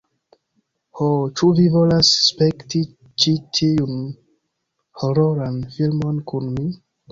Ho, ĉu vi volas spekti ĉi tiun hororan filmon kun mi?